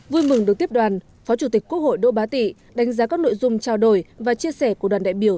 vui mừng được tiếp đoàn phó chủ tịch quốc hội đỗ bá tị đánh giá các nội dung trao đổi và chia sẻ của đoàn đại biểu